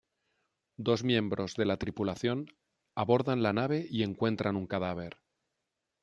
Dos miembros de la tripulación abordan la nave y encuentran un cadáver.